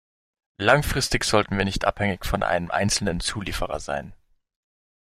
Langfristig sollten wir nicht abhängig von einem einzelnen Zulieferer sein.